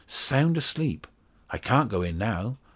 "Sound asleep! I can't go in now.